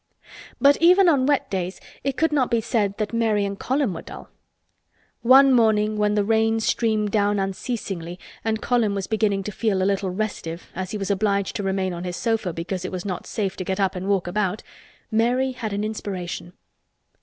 But even on wet days it could not be said that Mary and Colin were dull. One morning when the rain streamed down unceasingly and Colin was beginning to feel a little restive, as he was obliged to remain on his sofa because it was not safe to get up and walk about, Mary had an inspiration.